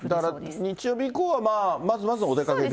だから日曜日以降は、まあ、まずまずお出かけ日和。